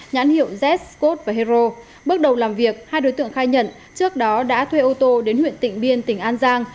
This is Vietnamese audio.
nhãn hiệu z code và hero bước đầu làm việc hai đối tượng khai nhận trước đó đã thuê ô tô đến huyện tỉnh biên tỉnh an giang